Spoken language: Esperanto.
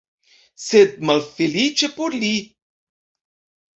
Sed malfeliĉe por li.